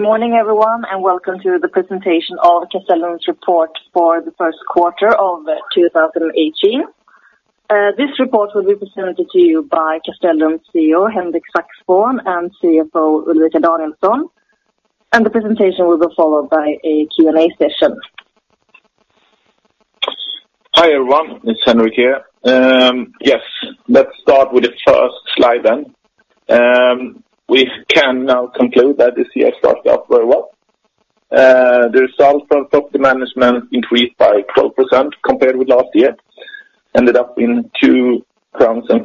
Good morning, everyone, and welcome to the presentation of Castellum's report for the first quarter of 2018. This report will be presented to you by Castellum CEO, Henrik Saxborn, and CFO, Ulrika Danielsson. The presentation will be followed by a Q&A session. Hi, everyone. It's Henrik here. Let's start with the first slide then. We can now conclude that this year started off very well. The result from property management increased by 12% compared with last year, ended up in 2.43 crowns per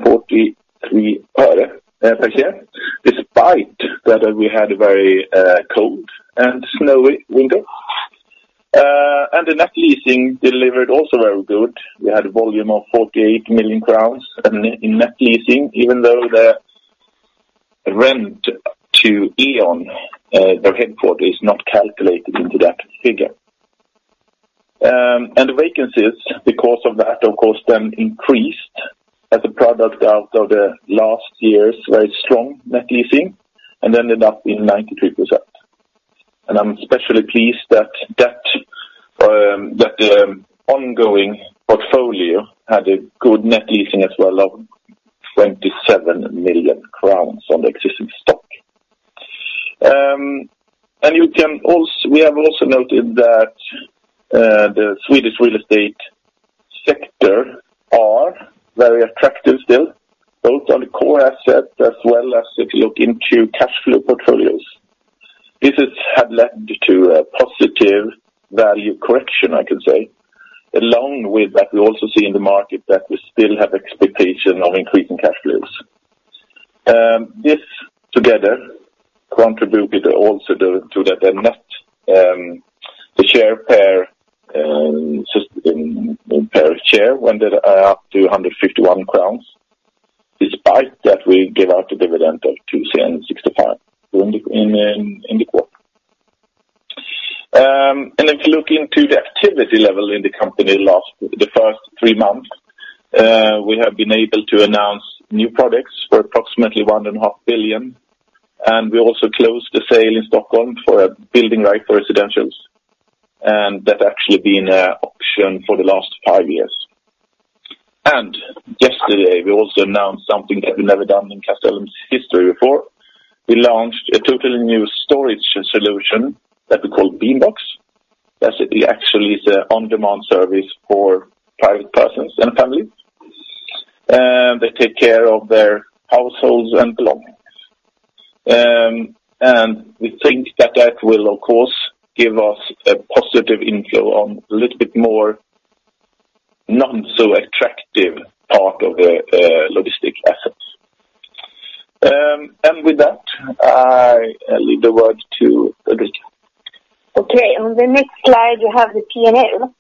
year, despite that we had a very cold and snowy winter. The net leasing delivered also very good. We had a volume of 48 million crowns in net leasing, even though the rent to E.ON their headquarters is not calculated into that figure. The vacancies, because of that, of course, increased as a product out of last year's very strong net leasing and ended up in 93%. I'm especially pleased that the ongoing portfolio had a good net leasing as well of 27 million crowns on the existing stock. We have also noted that the Swedish real estate sector are very attractive still, both on the core asset as well as if you look into cash flow portfolios. This has had led to a positive value correction, I could say. Along with that, we also see in the market that we still have expectation of increasing cash flows. This together contributed also to the net per share, went up to 151 crowns, despite that we give out a dividend of 2.65 SEK in the quarter. If you look into the activity level in the company the first three months, we have been able to announce new products for approximately 1.5 billion, and we also closed the sale in Stockholm for a building right for residentials, and that actually been a option for the last five years. Yesterday, we also announced something that we've never done in Castellum's history before. We launched a totally new storage solution that we call Beambox. That's it actually is a on-demand service for private persons and families. They take care of their households and belongings. And we think that that will, of course, give us a positive inflow on a little bit more non-so attractive part of the logistic assets. And with that, I leave the word to Ulrika. Okay, on the next slide, you have the P&L.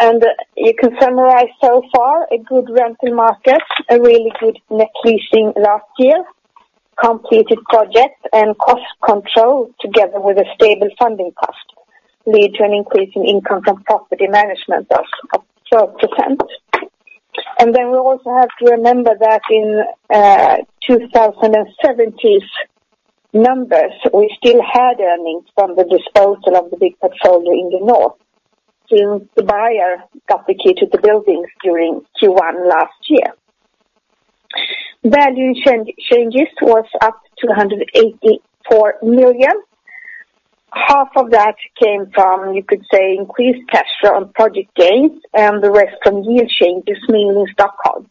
And you can summarize so far, a good rental market, a really good net leasing last year, completed projects and cost control together with a stable funding cost, lead to an increase in income from property management of 12%. And then we also have to remember that in 2017's numbers, we still had earnings from the disposal of the big portfolio in the north, since the buyer completed the buildings during Q1 last year. Value changes was up to 184 million. Half of that came from, you could say, increased cash flow on project gains, and the rest from yield changes, mainly in Stockholm.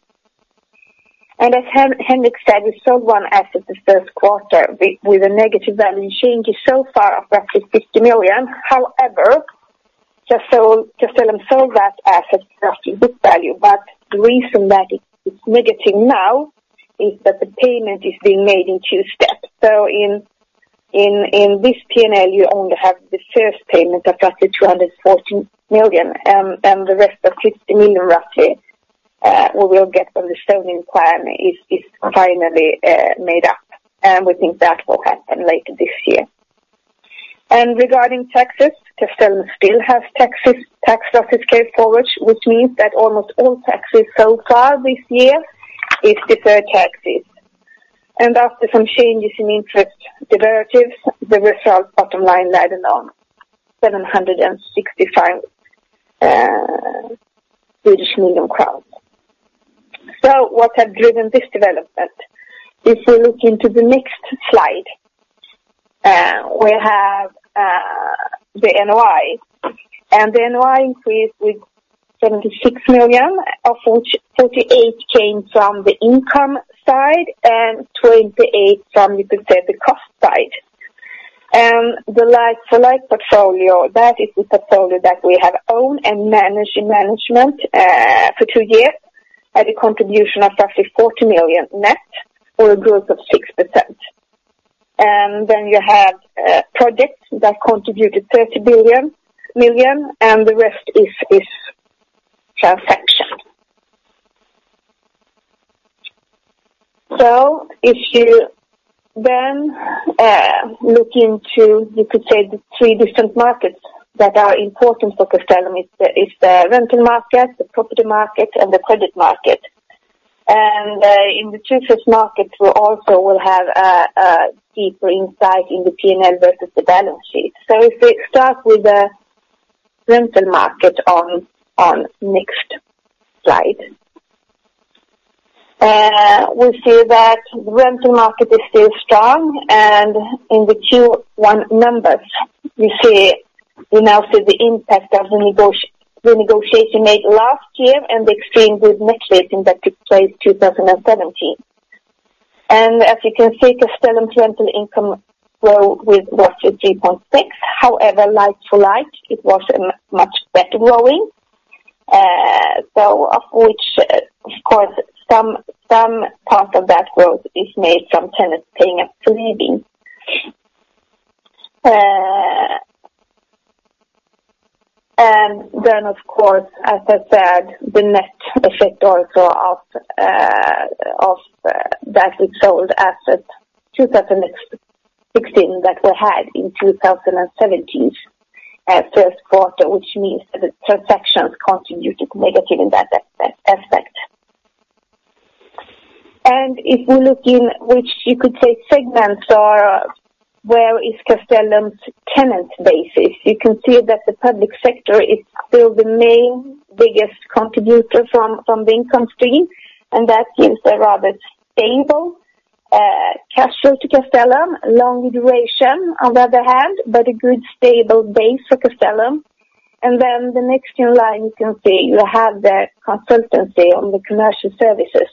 And as Henrik said, we sold one asset this first quarter with a negative value change, so far of roughly 50 million. However, Castellum sold that asset at book value, but the reason that it's negative now is that the payment is being made in two steps. So in this P&L, you only have the first payment of roughly 240 million, and the rest of 50 million, roughly, we will get when the selling plan is finally made up, and we think that will happen later this year. Regarding taxes, Castellum still has tax loss carryforwards, which means that almost all taxes so far this year is deferred taxes. After some changes in interest derivatives, the result bottom line added on 765 million crowns. What have driven this development? If you look into the next slide, we have the NOI. The NOI increased with 76 million, of which 48 million came from the income side and 28 million from, you could say, the cost side. The like-for-like portfolio, that is the portfolio that we have owned and managed in management, for two years, had a contribution of roughly 40 million net or a growth of 6%. Then you have projects that contributed 30 million, and the rest is transaction. So if you then look into, you could say, the three different markets that are important for Castellum is the rental market, the property market, and the credit market. And in the two first markets, we also will have deeper insight in the P&L versus the balance sheet. So if we start with the rental market on next slide. We see that rental market is still strong, and in the Q1 numbers, we now see the impact of the negotiation made last year and the exchange with net leasing that took place 2017. And as you can see, the Castellum rental income growth with was 3.6. However, like for like, it was much better growing, so of which, of course, some part of that growth is made from tenants paying up to leaving. And then, of course, as I said, the net effect also of that we sold assets 2016, that we had in 2017 first quarter, which means that the transactions continued to negative in that aspect. If we look in which you could say segments are, where is Castellum's tenant basis? You can see that the public sector is still the main, biggest contributor from the income stream, and that gives a rather stable castle to Castellum. Long duration, on the other hand, but a good, stable base for Castellum. Then the next two lines, you can see, you have the consultancy on the commercial services,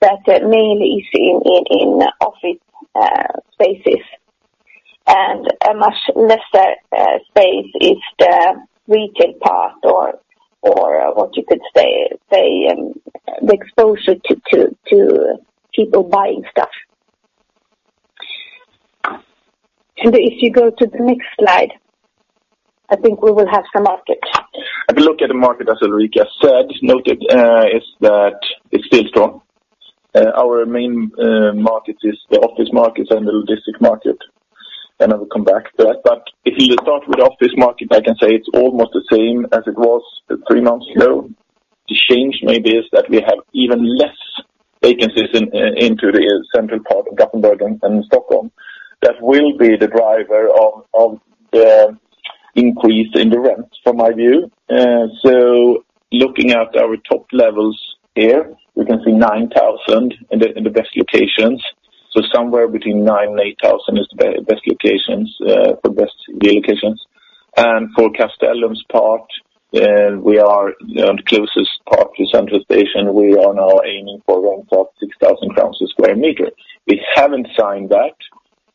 that mainly is in office spaces. And a much lesser space is the retail part or what you could say the exposure to people buying stuff. And if you go to the next slide, I think we will have some markets. If you look at the market, as Ulrika said, noted, is that it's still strong. Our main market is the office markets and the logistics market, and I will come back to that. But if you start with office market, I can say it's almost the same as it was three months ago. The change maybe is that we have even less vacancies in into the central part of Gothenburg and Stockholm. That will be the driver of the increase in the rents from my view. So looking at our top levels here, we can see 9,000 in the best locations. So somewhere between 9,000 and 8,000 is the best locations for best locations. And for Castellum's part, we are on the closest part to Central Station. We are now aiming for around 4,600 crowns a square meter. We haven't signed that,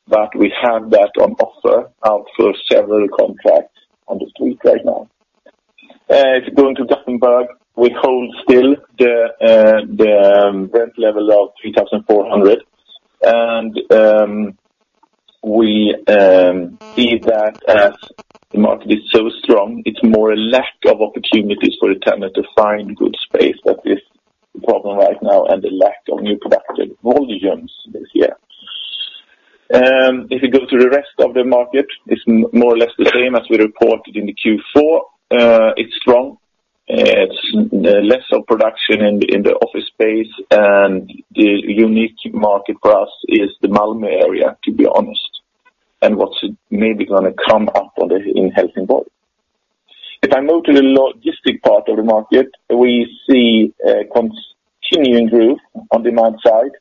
but we have that on offer out for several contracts on the street right now. If you go into Gothenburg, we hold still the rent level of 3,400. We see that as the market is so strong, it's more a lack of opportunities for the tenant to find good space. That is the problem right now, and the lack of new productive volumes this year. If you go to the rest of the market, it's more or less the same as we reported in the Q4. It's strong, it's less of production in the office space, and the unique market for us is the Malmö area, to be honest, and what's maybe gonna come up on the in Helsingborg. If I move to the logistics part of the market, we see a continuing growth on the demand side,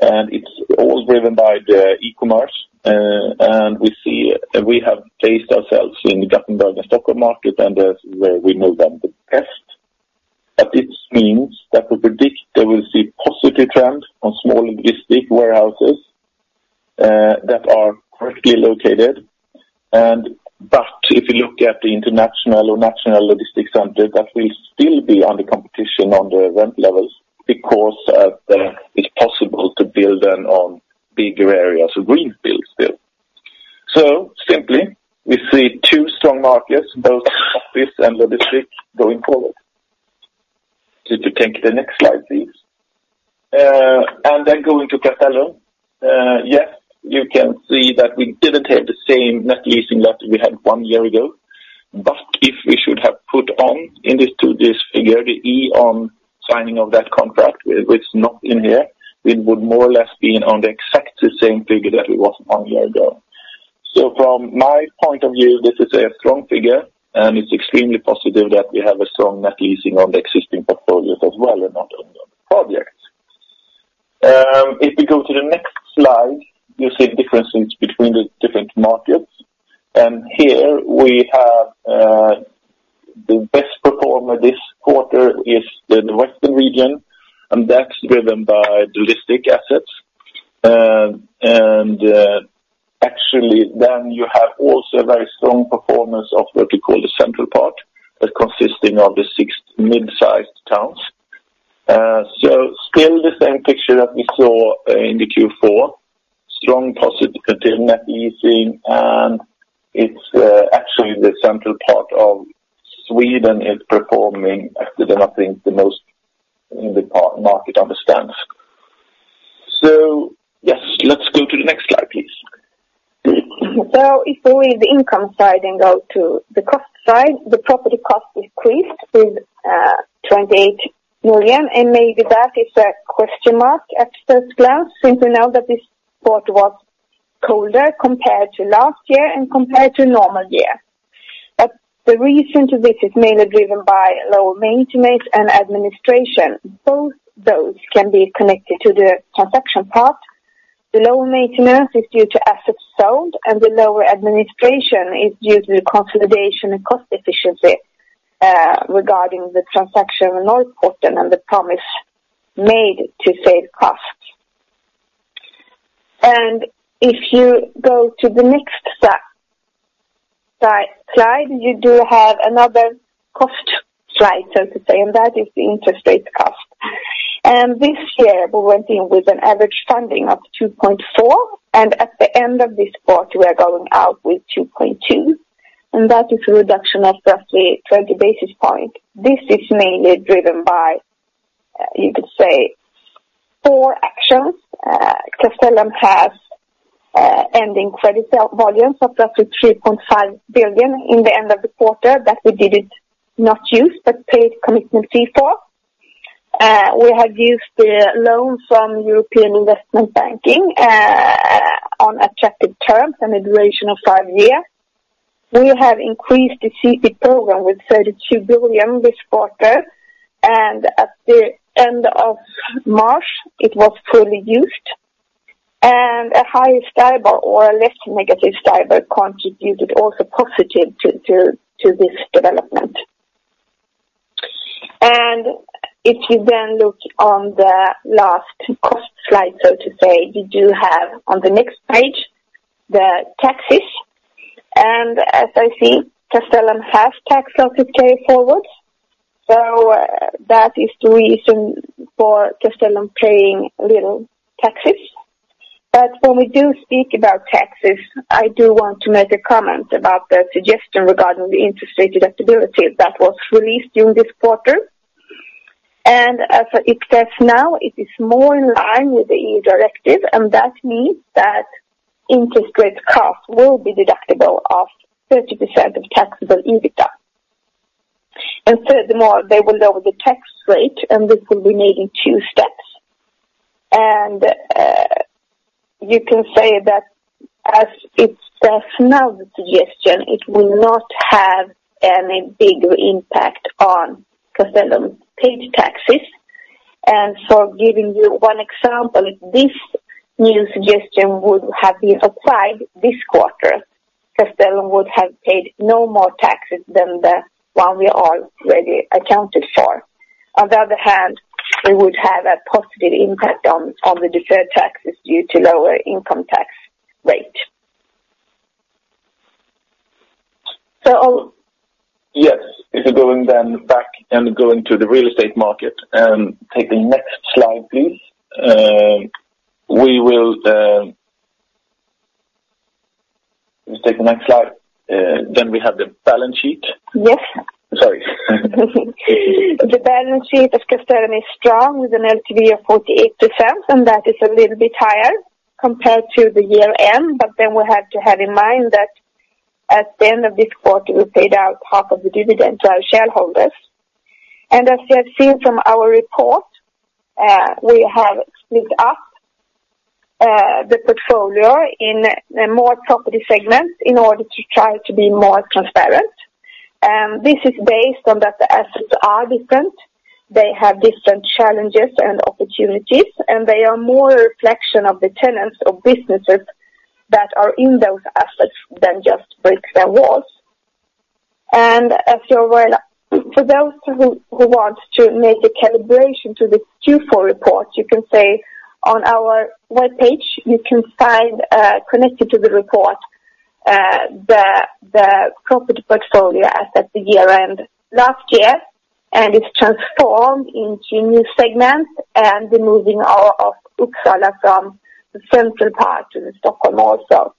and it's all driven by the e-commerce. And we see, we have placed ourselves in the Gothenburg and Stockholm market, and as where we know them the best. But this means that we predict they will see positive trends on small logistics warehouses, that are correctly located. But if you look at the international or national logistics center, that will still be under competition on the rent levels because it's possible to build them on bigger areas of greenfield still. So simply, we see two strong markets, both office and logistics, going forward. If you take the next slide, please. And then going to Castellum. Yes, you can see that we didn't have the same net leasing that we had one year ago. But if we should have put on in this, to this figure, the E.ON signing of that contract, which is not in here, it would more or less be on the exactly same figure that we was one year ago. So from my point of view, this is a strong figure, and it's extremely positive that we have a strong net leasing on the existing portfolios as well, and not only on the projects. If you go to the next slide, you see the differences between the different markets. And here we have, the best performer this quarter is the Western region, and that's driven by the logistic assets. Actually, then you have also a very strong performance of what we call the central part, that consisting of the six mid-sized towns. So still the same picture that we saw in the Q4. Strong, positive net leasing, and it's actually the central part of Sweden is performing at the, I think, the most in the part market understands. So- ...So if we leave the income side and go to the cost side, the property cost increased with 28 million, and maybe that is a question mark at first glance, since we know that this quarter was colder compared to last year and compared to normal year. But the reason to this is mainly driven by lower maintenance and administration. Both those can be connected to the transaction part. The lower maintenance is due to assets sold, and the lower administration is due to the consolidation and cost efficiency, regarding the transaction in Norrporten and the promise made to save costs. And if you go to the next slide, you do have another cost slide, so to say, and that is the interest rate cost. This year, we went in with an average funding of 2.4%, and at the end of this quarter, we are going out with 2.2%, and that is a reduction of roughly 20 basis points. This is mainly driven by, you could say, four actions. Castellum has ending credit sale volumes of roughly 3.5 billion at the end of the quarter, that we did not use, but paid commitment fee for. We have used the loan from European Investment Bank on attractive terms and a duration of five years. We have increased the CP program with 32 billion this quarter, and at the end of March, it was fully used. And a higher STIBOR or a less negative STIBOR contributed also positive to this development. If you then look on the last cost slide, so to say, you do have on the next page, the taxes. As I see, Castellum has tax losses carry forward. So, that is the reason for Castellum paying little taxes. But when we do speak about taxes, I do want to make a comment about the suggestion regarding the interest rate deductibility that was released during this quarter. As it stands now, it is more in line with the EU directive, and that means that interest rate cost will be deductible of 30% of taxable EBITA. And furthermore, they will lower the tax rate, and this will be made in two steps. You can say that as it stands now, the suggestion, it will not have any bigger impact on Castellum paid taxes. And so giving you one example, if this new suggestion would have been applied this quarter, Castellum would have paid no more taxes than the one we already accounted for. On the other hand, it would have a positive impact on the deferred taxes due to lower income tax rate. So- Yes, if you're going then back and going to the real estate market, take the next slide, please. Let's take the next slide. Then we have the balance sheet. Yes. Sorry. The balance sheet of Castellum is strong, with an LTV of 48%, and that is a little bit higher compared to the year end. Then we have to have in mind that at the end of this quarter, we paid out half of the dividend to our shareholders. As you have seen from our report, we have split up the portfolio in more property segments in order to try to be more transparent. This is based on that the assets are different, they have different challenges and opportunities, and they are more a reflection of the tenants or businesses that are in those assets than just bricks and walls. As you're aware, for those who want to make a calibration to this Q4 report, you can say, on our webpage, you can find, connected to the report, the property portfolio as at the year end last year, and it's transformed into new segments and the moving out of Uppsala from the central part to the Stockholm also.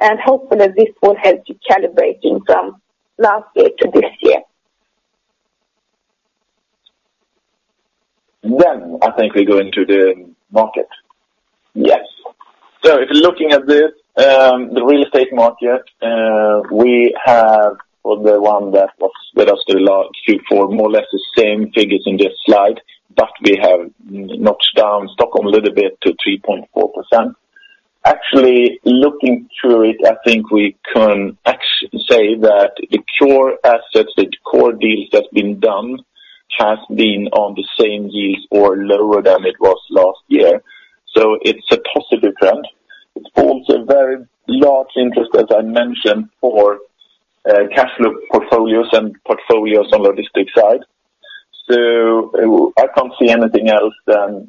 And hopefully, this will help you calibrating from last year to this year. Then I think we go into the market. Yes. So if you're looking at this, the real estate market, we have on the one that was with us the last Q4, more or less the same figures in this slide, but we have notched down Stockholm a little bit to 3.4%. Actually, looking through it, I think we can say that the core assets, the core deals that's been done, has been on the same deals or lower than it was last year. It's a positive trend. It's also a very large interest, as I mentioned, for cash flow portfolios and portfolios on the logistic side. I can't see anything else than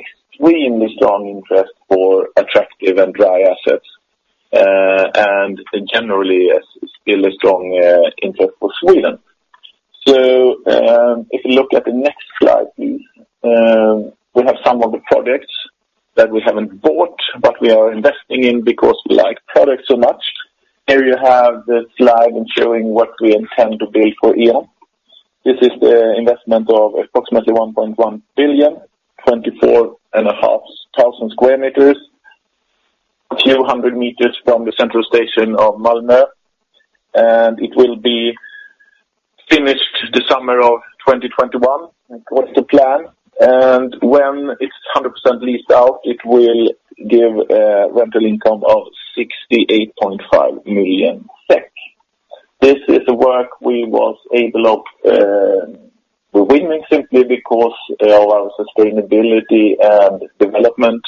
extremely strong interest for attractive and dry assets, and generally, still a strong interest for Sweden. If you look at the next slide, please, we have some of the projects that we haven't bought, but we are investing in because we like products so much. Here you have the slide in showing what we intend to build for E.ON. This is the investment of approximately 1.1 billion, 24,500 square meters, a few hundred meters from the central station of Malmö, and it will be finished the summer of 2021. According to plan, and when it's 100% leased out, it will give a rental income of 68.5 million. This is the work we was able of winning simply because of our sustainability and development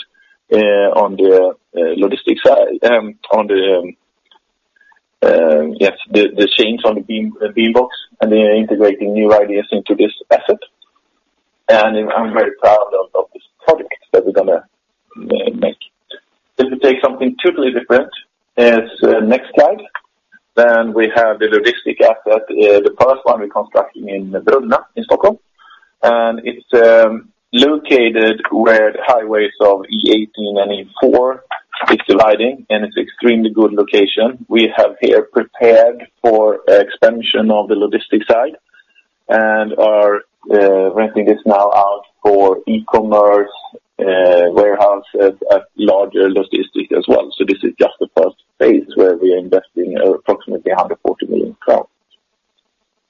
on the logistic side, yes, the change on the Beambox, and then integrating new ideas into this asset. I'm very proud of this project that we're gonna make. If you take something totally different, as next slide, then we have the logistic asset, the first one we're constructing in Brunna, in Stockholm. It's located where the highways of E18 and E4 is dividing, and it's extremely good location. We have here prepared for expansion of the logistic side and are renting this now out for e-commerce warehouse at larger logistic as well. So this is just the first phase where we are investing approximately 140 million crowns.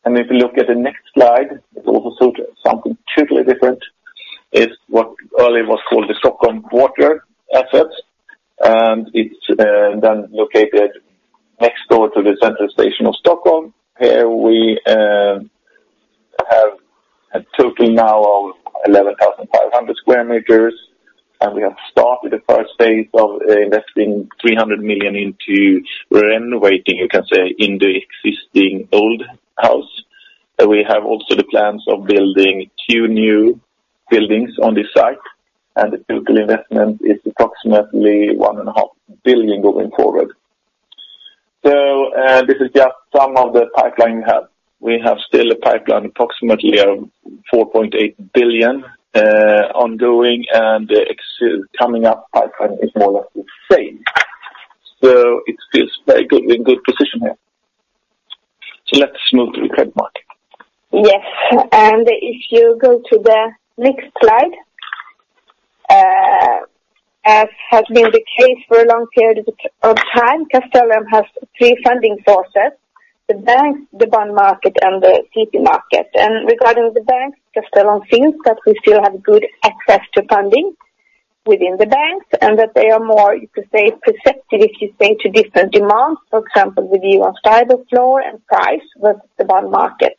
If you look at the next slide, it's also something totally different. It's what earlier was called the Stockholm Quarter assets, and it's then located next door to the central station of Stockholm. Here we have a total now of 11,500 square meters, and we have started the first phase of investing 300 million into renovating, you can say, in the existing old house. We have also the plans of building two new buildings on this site, and the total investment is approximately 1.5 billion going forward. So this is just some of the pipeline we have. We have still a pipeline, approximately of 4.8 billion ongoing, and the coming up pipeline is more or less the same. So it feels very good. We're in good position here. So let's move to the credit market. Yes, and if you go to the next slide, as has been the case for a long period of time, Castellum has three funding sources: the banks, the bond market, and the CP market. And regarding the banks, Castellum thinks that we still have good access to funding within the banks, and that they are more, you could say, perceptive, if you say, to different demands. For example, the view on ceiling floor and price with the bond market.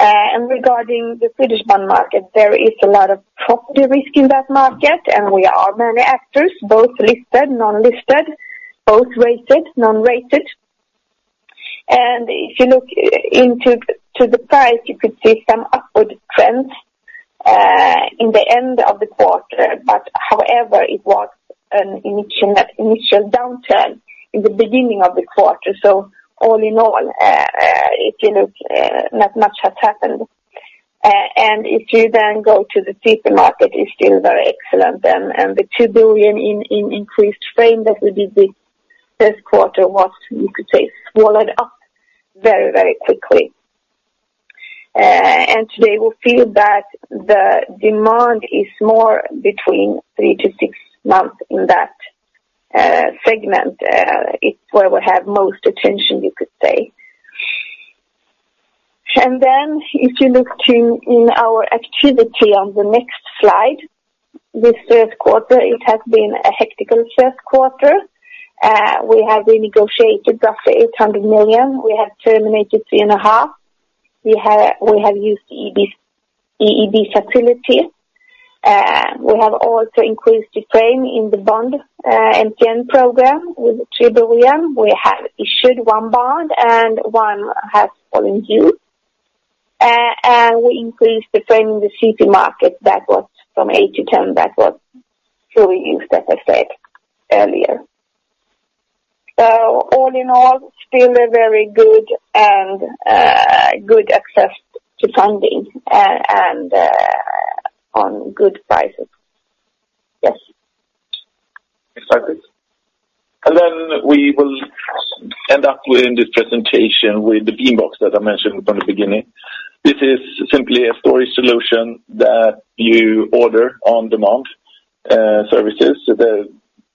And regarding the Swedish bond market, there is a lot of property risk in that market, and we are many actors, both listed, non-listed, both rated, non-rated. And if you look into the price, you could see some upward trends, in the end of the quarter. But however, it was an initial downturn in the beginning of the quarter. So all in all, if you look, not much has happened. And if you then go to the CP market, it's still very excellent. And the 2 billion increased frame that we did this quarter was, you could say, swallowed up very, very quickly. And today we feel that the demand is more between 3-6 months in that segment. It's where we have most attention, you could say. And then if you look to in our activity on the next slide, this first quarter, it has been a hectic first quarter. We have renegotiated roughly 800 million. We have terminated 3.5 billion. We have used the EIB facility. We have also increased the frame in the bond MTN program with 2 billion. We have issued 1 bond, and 1 has fallen due. We increased the frame in the CP market that was from 8 to 10, that was fully used, as I said earlier. So all in all, still a very good and good access to funding, and on good prices. Yes. Exactly. And then we will end up doing this presentation with the Beambox that I mentioned from the beginning. This is simply a storage solution that you order on demand, services.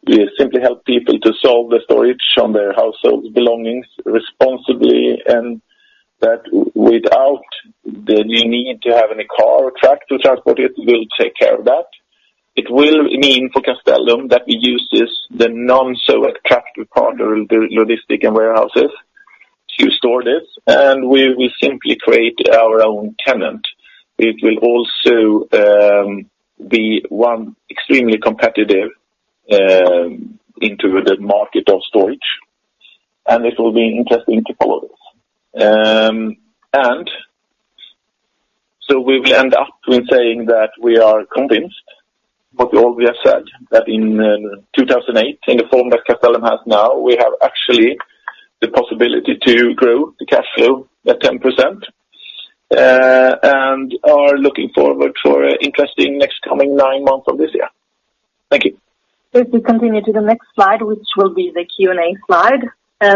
We simply help people to solve the storage on their household belongings responsibly, and that without the need to have any car or truck to transport it, we'll take care of that. It will mean for Castellum that we use this, the non-so attractive part of the logistic and warehouses to store this, and we, we simply create our own tenant. It will also be one extremely competitive into the market of storage, and it will be interesting to follow this. And so we will end up in saying that we are convinced with all we have said, that in 2008, in the form that Castellum has now, we have actually the possibility to grow the cash flow by 10%, and are looking forward for interesting next coming 9 months of this year.... If we continue to the next slide, which will be the Q&A slide.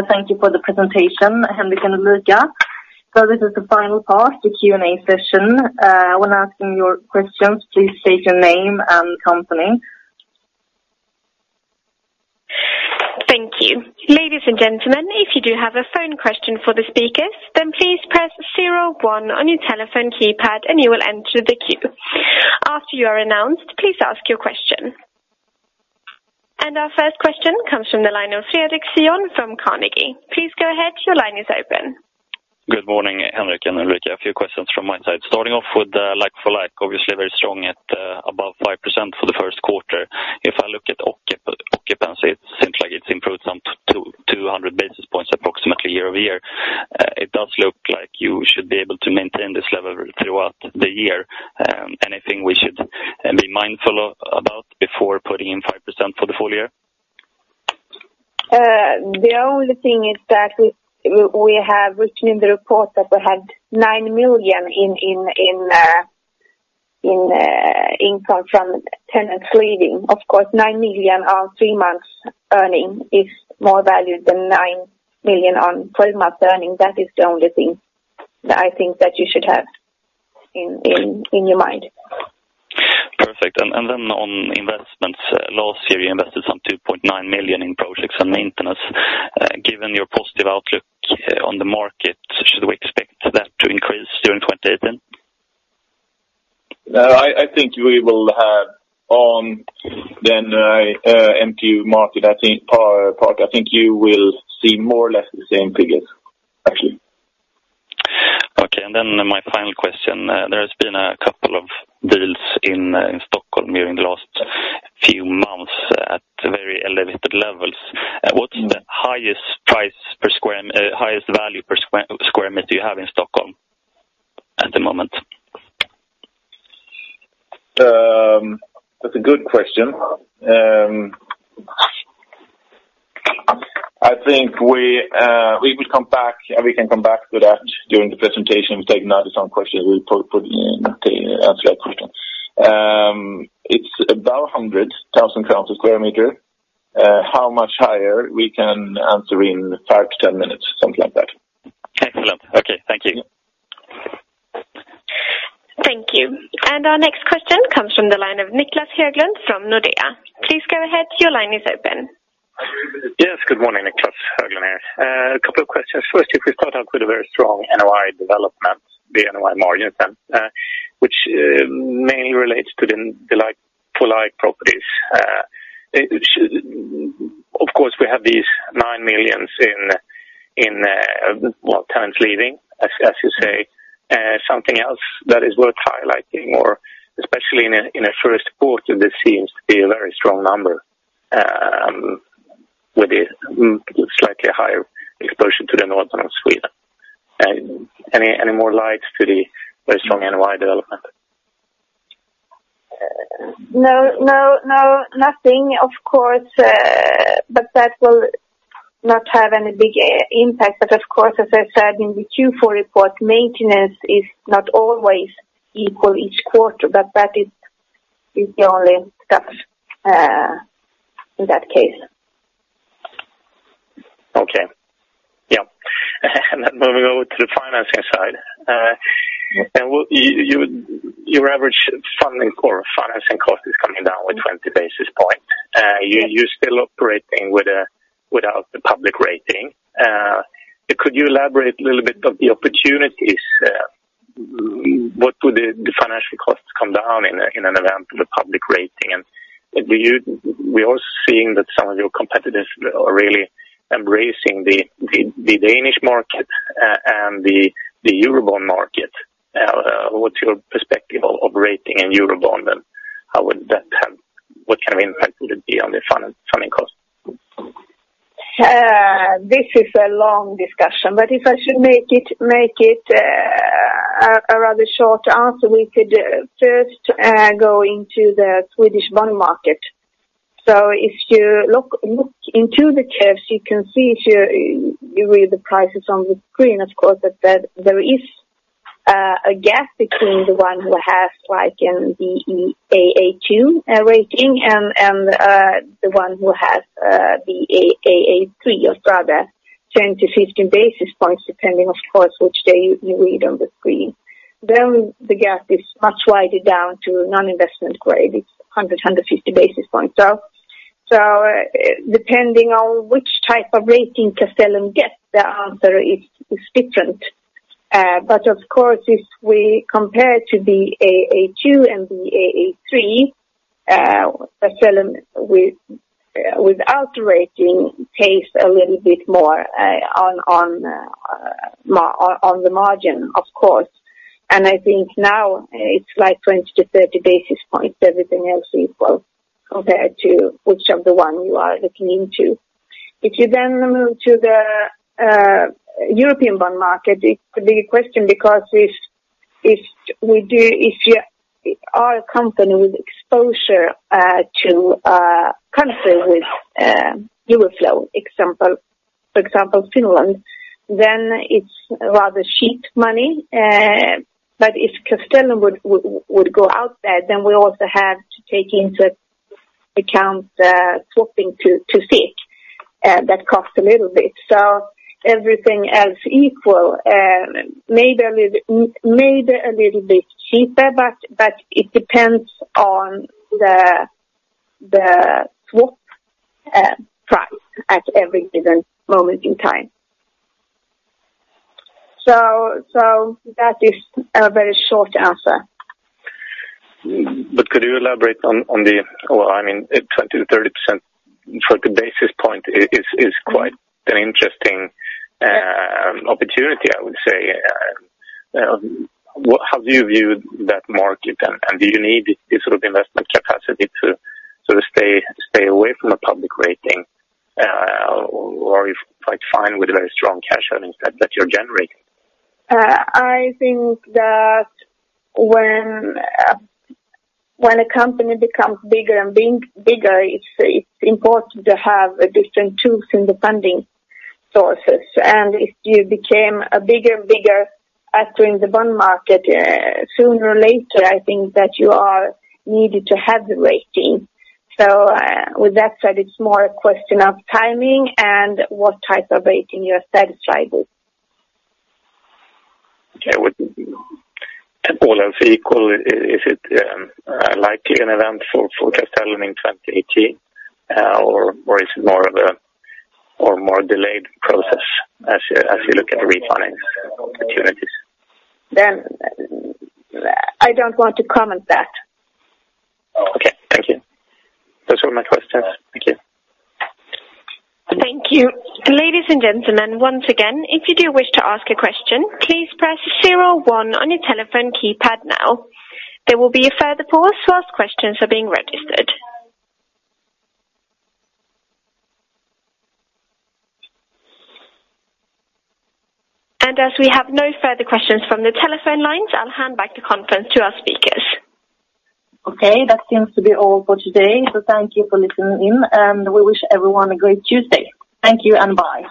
Thank you for the presentation, Henrik and Ulrika. So this is the final part, the Q&A session. When asking your questions, please state your name and company. Thank you. Ladies and gentlemen, if you do have a phone question for the speakers, then please press zero one on your telephone keypad and you will enter the queue. After you are announced, please ask your question. And our first question comes from the line of Fredric Cyon from Carnegie. Please go ahead. Your line is open. Good morning, Henrik and Ulrika. A few questions from my side. Starting off with the like-for-like, obviously very strong at above 5% for the first quarter. If I look at occupancy, it seems like it's improved some 200 basis points approximately year-over-year. It does look like you should be able to maintain this level throughout the year. Anything we should be mindful of about before putting in 5% for the full year? The only thing is that we have written in the report that we had 9 million in income from tenants leaving. Of course, 9 million on 3 months earning is more value than 9 million on 12 months earning. That is the only thing that I think that you should have in your mind. Perfect. And then on investments, last year you invested some 2.9 million in projects and maintenance. Given your positive outlook on the market, should we expect that to increase during 2018? I think we will have on then, MPU market, I think, part. I think you will see more or less the same figures, actually. Okay. And then my final question. There has been a couple of deals in Stockholm during the last few months at very elevated levels. What's the highest value per square meter you have in Stockholm at the moment? That's a good question. I think we would come back, and we can come back to that during the presentation. We take some question, we put in the answer that question. It's about 100,000 pounds a square meter. How much higher we can answer in 5-10 minutes, something like that. Excellent. Okay. Thank you. Thank you. And our next question comes from the line of Niclas Höglund from Nordea. Please go ahead, your line is open. Yes, good morning, Niclas Höglund here. A couple of questions. First, if we start out with a very strong NOI development, the NOI margins then, which mainly relates to the like, like properties. Of course, we have these 9 million in, in, well, tenants leaving, as you say. Something else that is worth highlighting, especially in a first quarter, this seems to be a very strong number, with a slightly higher exposure to the north of Sweden. And any more lights to the very strong NOI development? No, no, no, nothing of course, but that will not have any big impact. But of course, as I said in the Q4 report, maintenance is not always equal each quarter, but that is the only stuff in that case. Okay. Yep. And then moving over to the financing side. And you, your average funding or financing cost is coming down with 20 basis point. You're still operating without the public rating. Could you elaborate a little bit of the opportunities? What would the financial costs come down in an event of a public rating? And do you... We're also seeing that some of your competitors are really embracing the Danish market and the Eurobond market. What's your perspective of rating in Eurobond, and how would that have what kind of impact would it be on the funding cost? This is a long discussion, but if I should make it a rather short answer, we could first go into the Swedish bond market. So if you look into the curves, you can see here, you read the prices on the screen, of course, that there is a gap between the one who has the AA2 rating and the one who has the AA3, or rather 10-15 basis points, depending, of course, which day you read on the screen. Then the gap is much wider down to non-investment grade. It's 150 basis points. So depending on which type of rating Castellum gets, the answer is different. But of course, if we compare to the AA2 and the AA3, Castellum without rating pays a little bit more on the margin, of course. And I think now it's like 20-30 basis points, everything else equal, compared to which of the one you are looking into. If you then move to the European bond market, it could be a question, because if our company with exposure to countries with euro flow, for example, Finland, then it's rather cheap money. But if Castellum would go out there, then we also have to take into account swapping to SEK, that cost a little bit. So everything else equal, maybe a little, maybe a little bit cheaper, but it depends on the swap price at every given moment in time. So that is a very short answer. But could you elaborate on the, well, I mean, 20%-30% for the basis point is quite an interesting opportunity, I would say. What, how do you view that market, and do you need this sort of investment capacity to sort of stay away from a public rating? Or are you quite fine with very strong cash earnings that you're generating? I think that when a company becomes bigger and being bigger, it's important to have different tools in the funding sources. And if you became a bigger and bigger actor in the bond market, sooner or later, I think that you are needed to have the rating. So, with that said, it's more a question of timing and what type of rating you are satisfied with. Okay, with all else equal, is it likely an event for Castellum in 2018? Or is it more of a delayed process as you look at the refinance opportunities? I don't want to comment that. Okay, thank you. Those were my questions. Thank you. Thank you. Ladies and gentlemen, once again, if you do wish to ask a question, please press zero one on your telephone keypad now. There will be a further pause while questions are being registered. As we have no further questions from the telephone lines, I'll hand back the conference to our speakers. Okay, that seems to be all for today. So thank you for listening in, and we wish everyone a great Tuesday. Thank you, and bye.